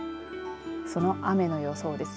その雨の予想です。